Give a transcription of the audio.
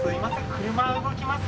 車動きます！